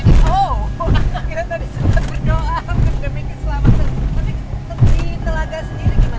aduh ini saya sudah pakai laporan deh